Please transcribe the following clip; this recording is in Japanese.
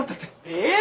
えっ！？